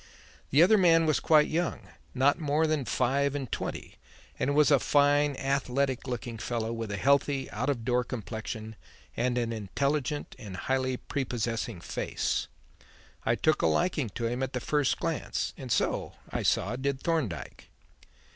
The other man was quite young, not more than five and twenty, and was a fine athletic looking fellow with a healthy, out of door complexion and an intelligent and highly prepossessing face. I took a liking to him at the first glance, and so, I saw, did Thorndyke.